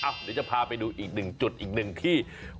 เดี๋ยวจะพาไปดูอีกหนึ่งจุดอีกหนึ่งที่